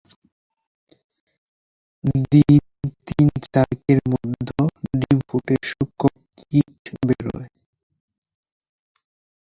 দিন তিন-চারেকের মধ্য ডিম ফুটে শূককীট বেরোয়।